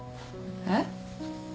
えっ？